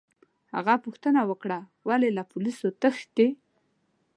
هغه پوښتنه وکړه: ولي، له پولیسو تښتې؟